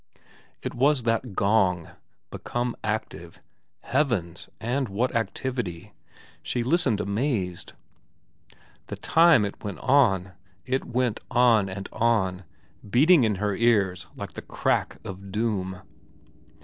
It was that gong. Become active. Heavens, and what activity. She listened amazed. The time it went on ! It went on and on, beating in her ears like the crack of doom.